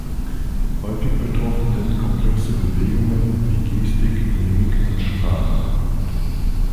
Häufig betroffen sind komplexe Bewegungen, wie Gestik, Mimik und Sprache.